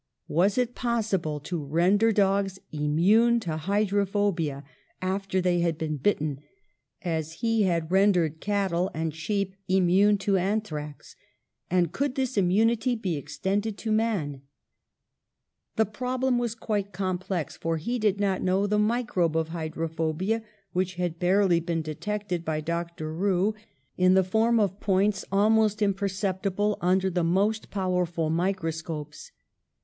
Was it possible to render dogs immune to hydrophobia after they had been bitten, as he had rendered cattle and sheep immune to anthrax? And could this im munity be extended to man? The problem was quite complex, for he did not know the microbe of hydrophobia, which had barely been detected by Dr. Roux, in the * L'Oeuvre Medicate de Pasteur, by Dr. Roux. Agenda du Chimiste, 1896. 166 PASTEUR form of points almost imperceptible under the most powerful microscopes.